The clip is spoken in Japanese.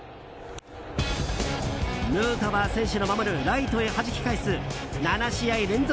ヌートバー選手の守るライトへはじき返す７試合連続